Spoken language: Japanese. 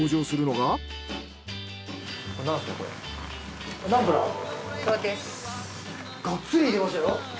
がっつり入れましたよ。